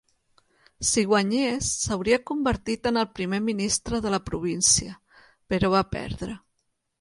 Si guanyés, s'hauria convertit en el primer ministre de la província, però va perdre.